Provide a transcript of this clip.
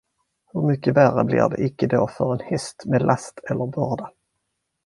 Hur mycket värre blir det icke då för en häst med lass eller börda.